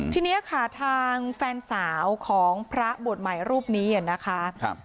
ทีนี้ค่ะทางแฟนสาวของพระบวชใหม่รูปนี้นะคะ